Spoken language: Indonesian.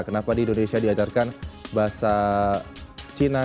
kenapa di indonesia diajarkan bahasa cina